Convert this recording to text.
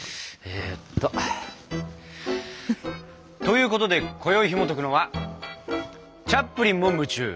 えっと。ということでこよいひもとくのは「チャップリンも夢中！